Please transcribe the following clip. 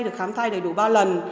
được khám thai đầy đủ ba lần